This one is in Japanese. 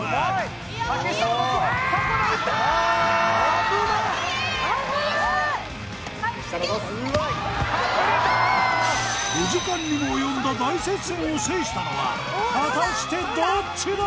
竹下のトス５時間にも及んだ大接戦を制したのは果たしてどっちだ？